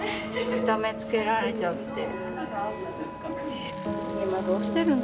痛めつけられちゃって。